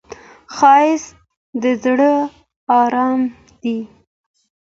ښایست د زړه آرام دی